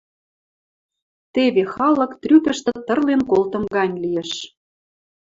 Теве халык трӱкӹштӹ тырлен колтым гань лиэш.